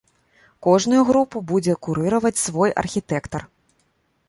Кожную групу будзе курыраваць свой архітэктар.